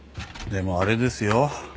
でもあれですよ。